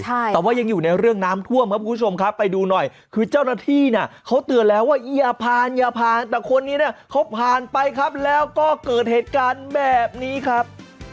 แต่ว่ายังอยู่ในเรื่องน้ำท่วมครับคุณผู้ชมครับไปดูหน่อยคือเจ้าหน้าที่เนี่ยเขาเตือนแล้วว่าอย่าผ่านอย่าผ่านแต่คนนี้เนี่ยเขาผ่านไปครับแล้วก็เกิดเหตุการณ์แบบนี้ครับ